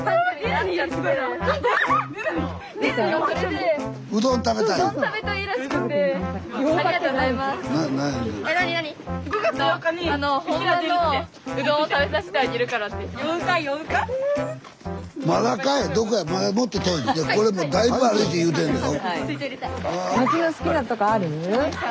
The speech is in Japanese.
スタジオこれもだいぶ歩いて言うてんのよ。